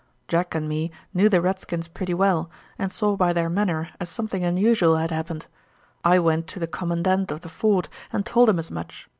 Jack and me knew the redskins pretty well, and saw by their manner as something unusual had happened. I went to the commandant of the fort and told him as much.